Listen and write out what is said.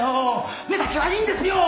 目だけはいいんですよ。